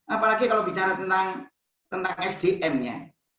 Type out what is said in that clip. apalagi kalau bicara tentang sdm nya